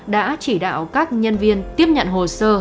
đã chỉ đạo các nhân viên tiếp nhận hồ sơ